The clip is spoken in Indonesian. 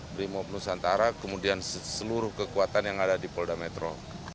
brimob nusantara kemudian seluruh kekuatan yang ada di polda metro